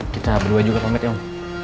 kita berdua juga pamit ya om